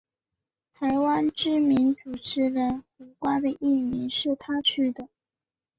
台湾知名主持人胡瓜的艺名是他取的。